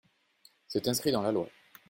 C’est inscrit dans la loi.